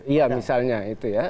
iya misalnya itu ya